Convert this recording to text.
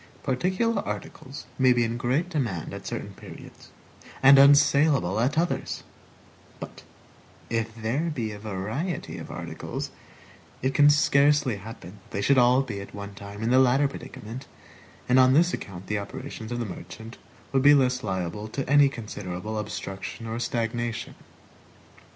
Particular articles may be in great demand at certain periods, and unsalable at others; but if there be a variety of articles, it can scarcely happen that they should all be at one time in the latter predicament, and on this account the operations of the merchant would be less liable to any considerable obstruction or stagnation.